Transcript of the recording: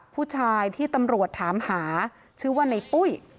ผู้ชายที่ตำรวจถามหาชื่อว่าในปุ้ย